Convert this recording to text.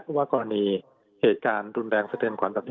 เพราะว่ากรณีเหตุการณ์รุนแรงสะเทือนขวัญแบบนี้